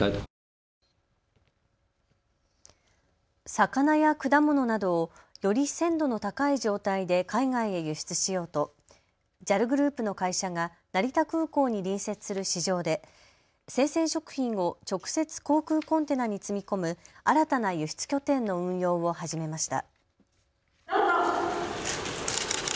魚や果物などを、より鮮度の高い状態で海外へ輸出しようとＪＡＬグループの会社が成田空港に隣接する市場で生鮮食品を直接、航空コンテナに積み込む新たな輸出拠点の運用を始めました。